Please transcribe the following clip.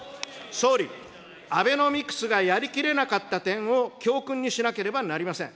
総理、アベノミクスがやり切れなかった点を教訓にしなければなりません。